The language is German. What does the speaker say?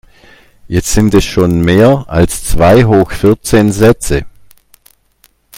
Jetzt sind es schon mehr als zwei hoch vierzehn Sätze.